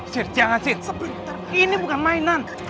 sir jangan ini bukan mainan